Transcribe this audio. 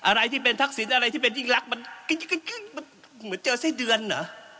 อะไรที่เป็นธักษิตอะไรที่เป็นยิ่งรักษ์มันเจอไส้เดือนเหรอ